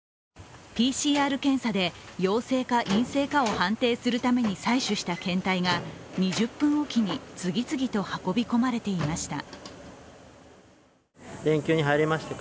ＰＣＲ検査で陽性か陰性かを判定するために採取した検体が２０分おきに、次々と運び込まれていました。